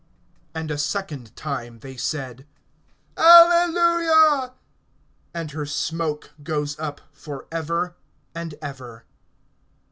(3)And a second time they said: Alleluia. And her smoke goes up forever and ever.